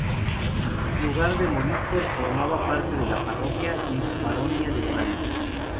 Lugar de moriscos, formaba parte de la parroquia y baronía de Planes.